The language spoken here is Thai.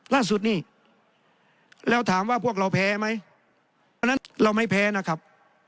ล่าสุดนี่แล้วถามว่าพวกเราแพ้ไหมอันนั้นเราไม่แพ้นะครับ